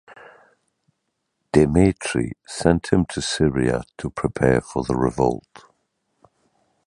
Demetri sent him to Syria to prepare for the revolt.